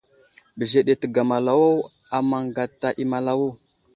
Bəzeɗe təgamalawo a maŋ gata i malawo.